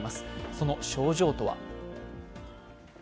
その症状とは？